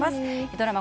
ドラマ